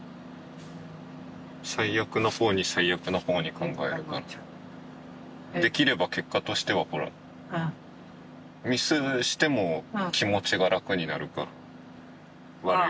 最悪な方に最悪な方に考えるからできれば結果としてはほらミスしても気持ちが楽になるから。